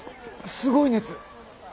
すごい熱。